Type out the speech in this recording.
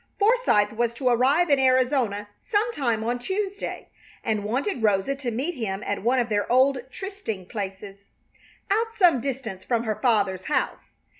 Forsythe was to arrive in Arizona some time on Tuesday, and wanted Rosa to meet him at one of their old trysting places, out some distance from her father's house.